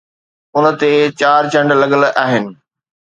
ان تي چار چنڊ لڳل آهن